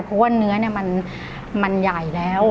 เพราะว่าเนื้อมันใหญ่แล้ว